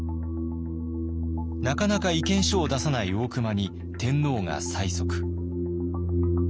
なかなか意見書を出さない大隈に天皇が催促。